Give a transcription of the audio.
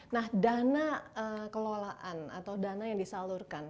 nah dana kelolaan atau dana yang disalurkan